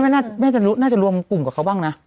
น่าจะรวมกลุ่มกับเขาบ้างนะ